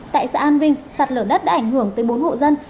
tại xã an vinh sạt lở đất đã ảnh hưởng tới bốn hộ dân